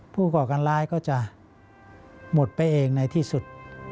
ก่อการร้ายก็จะหมดไปเองในที่สุด